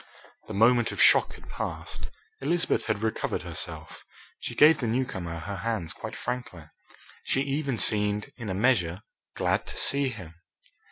The moment of shock had passed. Elizabeth had recovered herself. She gave the newcomer her hands quite frankly. She even seemed, in a measure, glad to see him.